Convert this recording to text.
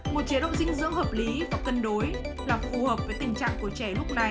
một chế độ dinh dưỡng hợp lý và cân đối là phù hợp với tình trạng của trẻ lúc này